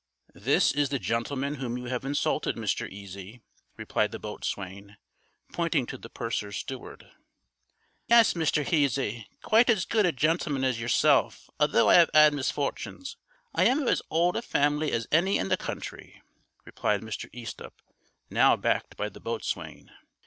"This is the gentleman whom you have insulted, Mr. Easy," replied the boatswain, pointing to the purser's Steward. "Yes, Mr. Heasy, quite as good a gentleman as yourself, although I 'ave 'ad misfortunes. I ham of as hold a family as hany in the country," replied Mr. Easthupp, now backed by the boatswain.